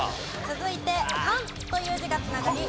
続いて「感」という字が繋がり